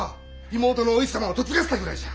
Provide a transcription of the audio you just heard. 妹のお市様を嫁がせたぐらいじゃ。